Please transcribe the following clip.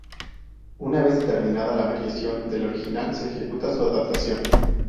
Una vez determinada la variación del original se ejecuta su adaptación.